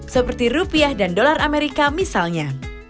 seperti rupiah dan dolar amerika misalnya